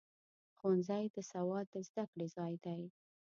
ښوونځی د سواد د زده کړې ځای دی.